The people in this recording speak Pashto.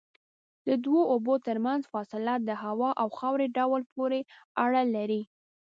د دوو اوبو ترمنځ فاصله د هوا او خاورې ډول پورې اړه لري.